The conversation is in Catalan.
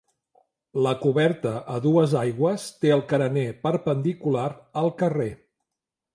La coberta, a dues aigües, té el carener perpendicular al carrer.